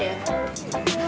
gak tau polanya ya